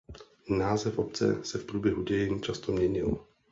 Název obce se v průběhu dějin často měnil.